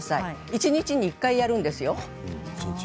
一日に１回やるんですよ。